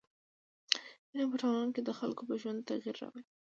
علم په ټولنه کي د خلکو په ژوند کي تغیر راولي.